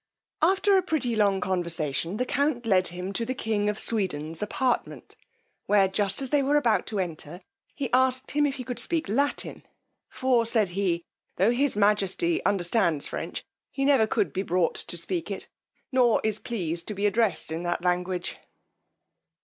After a pretty long conversation, the count led him to the king of Sweden's apartment, where, just as they were about to enter, he asked him if he could speak Latin; for, said he, tho' his majesty understands French, he never could be brought to speak it, nor is pleased to be addressed in that language.